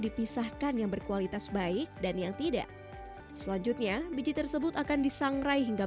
dipisahkan yang berkualitas baik dan yang tidak selanjutnya biji tersebut akan disangrai hingga